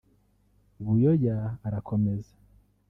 Buyoya arakomeza